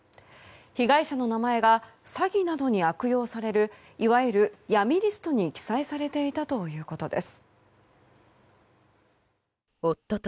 被害者の名前が詐欺などに悪用されるいわゆる闇リストに記載されていたということです。